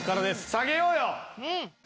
下げようよ！